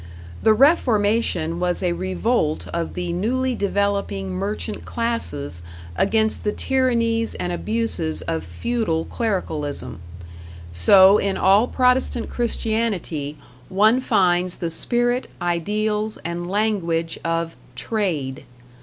The Reformation was a revolt of the newly developing merchant classes against the tyrannies and abuses of feudal clericalism: so in all Protestant Christianity one finds the spirit, ideals, and language of Trade.